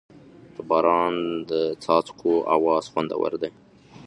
د باران د څاڅکو اواز خوندور دی.